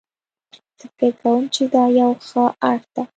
زه فکر کوم چې دا یو ښه اړخ ده